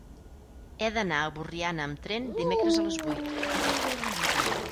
He d'anar a Borriana amb tren dimecres a les vuit.